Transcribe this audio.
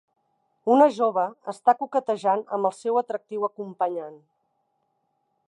Una jove està coquetejant amb el seu atractiu acompanyant.